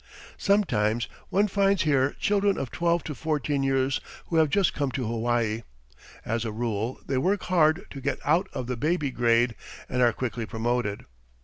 Sometimes one finds here children of twelve to fourteen years who have just come to Hawaii. As a rule, they work hard to get out of the 'baby grade,' and are quickly promoted.